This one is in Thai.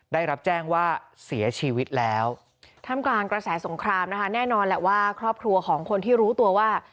ได้รับแจ้งว่าเสียชีวิตแล้วท่ามกลางกระแสสงครามนะคะแน่นอนแหละว่าครอบครัวของคนที่รู้ตัวว่า